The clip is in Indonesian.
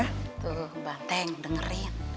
tuh banteng dengerin